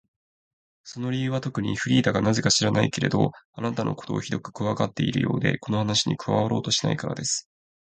その理由はとくに、フリーダがなぜか知らないけれど、あなたのことをひどくこわがっているようで、この話に加わろうとしないからです。